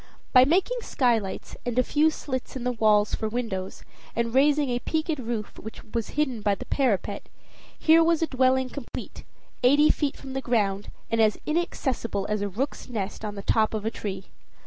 By making skylights, and a few slits in the walls for windows, and raising a peaked roof which was hidden by the parapet, here was a dwelling complete, eighty feet from the ground, and as inaccessible as a rook's nest on the top of a tree.